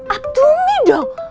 aduh nih dong